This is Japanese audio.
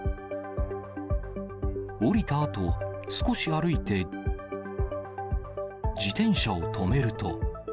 降りたあと、少し歩いて、自転車を止めると。